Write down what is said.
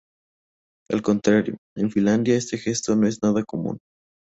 Al contrario, en Finlandia este gesto no es nada común.